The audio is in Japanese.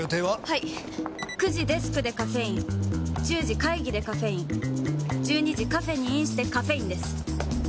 はい９時デスクでカフェイン１０時会議でカフェイン１２時カフェにインしてカフェインです！